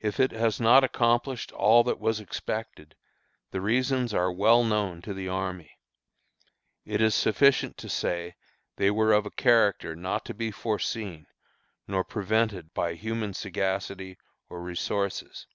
If it has not accomplished all that was expected, the reasons are well known to the army. It is sufficient to say they were of a character not to be foreseen nor prevented by human sagacity or resources.